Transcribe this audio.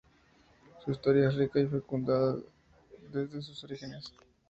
Su historia es rica y fecunda desde sus orígenes.